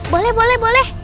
boleh boleh boleh